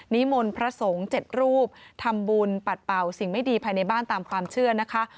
มนต์พระสงฆ์๗รูปทำบุญปัดเป่าสิ่งไม่ดีภายในบ้านตามความเชื่อนะคะ